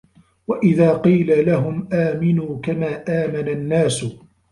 وَإِذَا قِيلَ لَهُمْ آمِنُوا كَمَا آمَنَ النَّاسُ